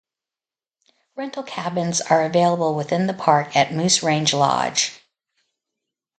Rental cabins are available within the park at Moose Range Lodge.